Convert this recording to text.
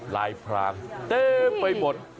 ลายพรางเต็มไปหมด